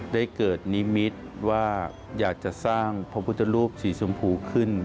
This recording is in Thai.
ได้เกิดนิมิตรว่าอยากจะสร้างพระพุทธรูปสีชมพูขึ้น